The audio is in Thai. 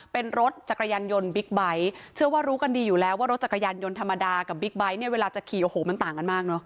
เป็นรถจักรยานยนต์บิ๊กไบท์เชื่อว่ารู้กันดีอยู่แล้วว่ารถจักรยานยนต์ธรรมดากับบิ๊กไบท์เนี่ยเวลาจะขี่โอ้โหมันต่างกันมากเนอะ